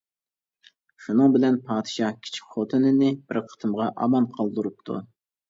شۇنىڭ بىلەن پادىشاھ كىچىك خوتۇنىنى بىر قېتىمغا ئامان قالدۇرۇپتۇ.